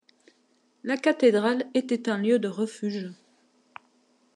La cathédrale était un lieu de refuge.